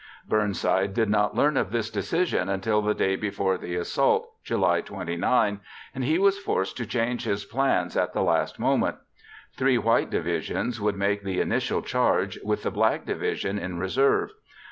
Burnside did not learn of this decision until the day before the assault, July 29, and he was forced to change his plans at the last moment. Three white divisions would make the initial charge, with the black division in reserve.